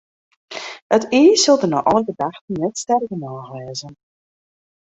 It iis sil dêr nei alle gedachten net sterk genôch wêze.